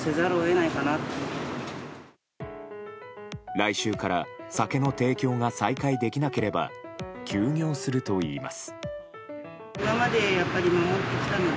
来週から酒の提供が再開できなければ休業するといいます。